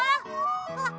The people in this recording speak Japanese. あっ！